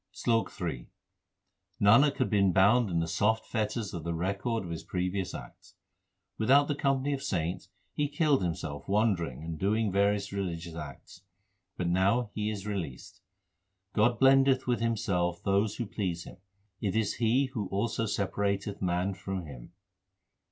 SLOK III Nanak had been bound in the soft l fetters of the record of his previous acts. Without the company of saints he killed himself wandering and doing various religious acts, but now he is released. God blendeth with Himself those who please Him ; it is He who also separateth man from Him.